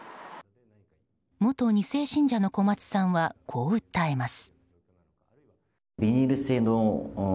元２世信者の小松さんはこう訴えます。